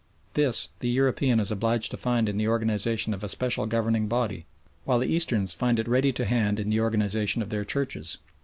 This the European is obliged to find in the organisation of a special governing body, while the Easterns find it ready to hand in the organisation of their Churches.